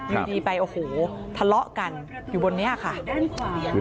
อยู่ดีไปโอ้โหทะเลาะกันอยู่บนนี้ค่ะ